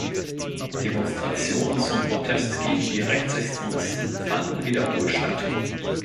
Demonstrationen zum Protest gegen die Rechtsextremisten fanden wiederholt statt.